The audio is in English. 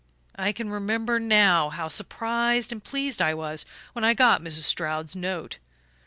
I can remember now how surprised and pleased I was when I got Mrs. Stroud's note.